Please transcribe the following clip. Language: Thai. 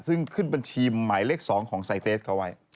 ซึ่งขึ้นบัญชีหมายเลข๒ของไซเตสเขาไว้